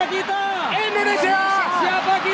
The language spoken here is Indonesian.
siapa kita indonesia